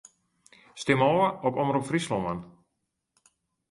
Stim ôf op Omrop Fryslân.